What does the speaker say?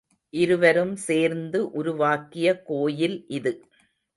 இருவரும் சேர்ந்து உருவாக்கிய கோயில் இது.